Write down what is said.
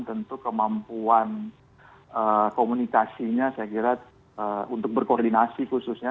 tentu kemampuan komunikasinya saya kira untuk berkoordinasi khususnya